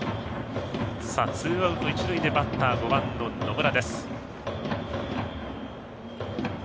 ツーアウト、一塁でバッター、５番の野村。